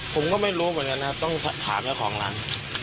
ผมก็ไม่รู้เหมือนกันนะครับต้องถามเจ้าของร้าน